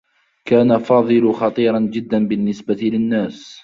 كان فاضل خطيرا جدّا بالنّسبة للنّاس.